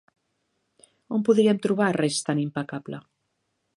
On podríem trobar res tan impecable?